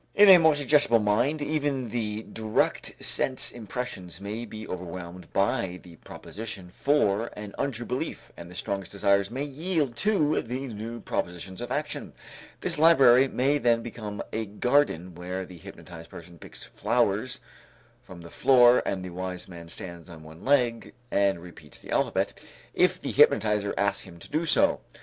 In a more suggestible mind even the direct sense impressions may be overwhelmed by the proposition for an untrue belief and the strongest desires may yield to the new propositions of action. This library may then become a garden where the hypnotized person picks flowers from the floor, and the wise man stands on one leg and repeats the alphabet, if the hypnotizer asks him to do so.